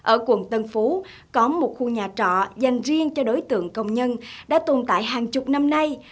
ở quận tân phú có một khu nhà trọ dành riêng cho đối tượng công nhân đã tồn tại hàng chục năm nay